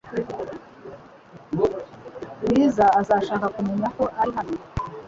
Bwiza azashaka kumenya ko uri hano .